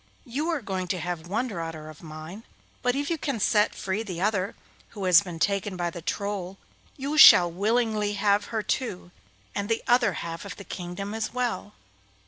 You are going to have one daughter of mine, but if you can set free the other, who has been taken by the Troll, you shall willingly have her too, and the other half of the kingdom as well.